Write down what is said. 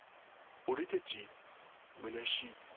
俺たちむなしい。